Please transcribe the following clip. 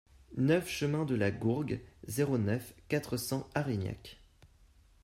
neuf chemin de la Gourgue, zéro neuf, quatre cents Arignac